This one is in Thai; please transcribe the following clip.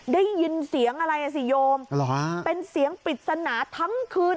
ได้ยินเสียงอะไรอ่ะสิโยมเป็นเสียงปริศนาทั้งคืน